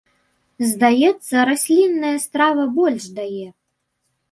Здаецца, раслінная страва больш дае.